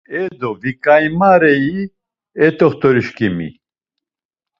E do, viǩaimarei e t̆oxt̆oriçkimi?